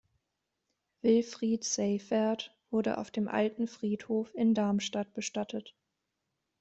Wilfried Seyferth wurde auf dem alten Friedhof in Darmstadt bestattet.